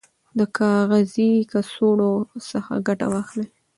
د کاغذي کڅوړو څخه ګټه واخلئ.